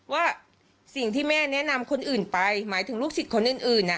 ว่าสิ่งที่แม่แนะนำคนอื่นไปหมายถึงลูกศิษย์คนอื่น